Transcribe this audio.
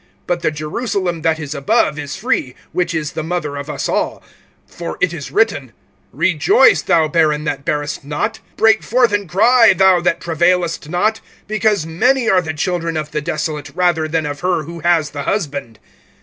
(26)But the Jerusalem that is above is free, which is the mother of us all[4:26]. (27)For it is written: Rejoice, thou barren that bearest not; Break forth and cry, thou that travailest not; Because many are the children of the desolate, rather than of her who has the husband.